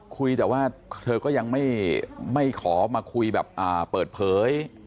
คุยแต่ว่าเธอก็ยังไม่ขอมาคุยแบบเปิดเผย